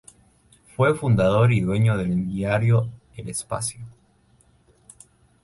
Fue fundador y dueño del diario El Espacio.